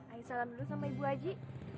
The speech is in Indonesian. ayo salam dulu sama ibu haji